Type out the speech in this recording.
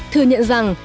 thừa nhận rằng